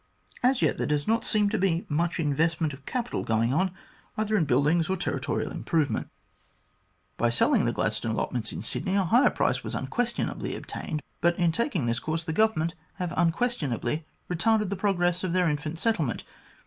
As yet there does not appear to be much investment of capital going on, either in buildings or territorial improvements. 84 THE GLADSTONE COLONY By selling the Gladstone allotments in Sydney, a higher price was unquestionably obtained, but in taking this course, the Govern ment have unquestionably retarded the progress of their infant settlement.